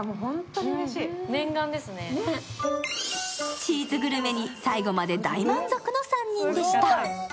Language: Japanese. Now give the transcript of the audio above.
チーズグルメに最後まで大満足の３人でした。